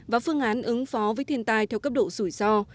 và phương án ứng phó với thiên tai theo cấp độ rủi ro